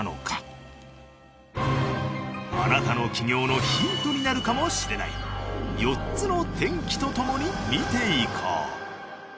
あなたの起業のヒントになるかもしれない４つの転機とともに見ていこう。